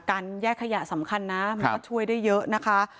แยกขยะสำคัญนะมันก็ช่วยได้เยอะนะคะ